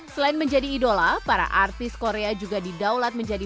selain menjadi idola para artis korea juga didaulat menjadi